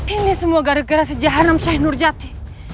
ini semua gara gara sejahat nam shah nurjati